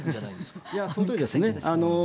いや、そのとおりですね。